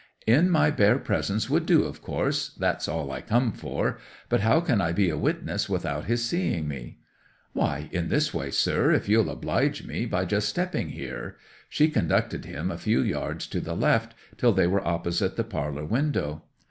'"In my bare presence would do, of course—that's all I come for. But how can I be a witness without his seeing me?" '"Why, in this way, sir; if you'll oblige me by just stepping here." She conducted him a few yards to the left, till they were opposite the parlour window.